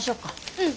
うん。